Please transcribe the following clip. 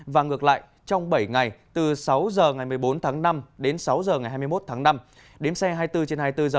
và ngược lại trong bảy ngày từ sáu h ngày một mươi bốn tháng năm đến sáu h ngày hai mươi một tháng năm đếm xe hai mươi bốn trên hai mươi bốn h